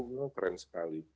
memang keren sekali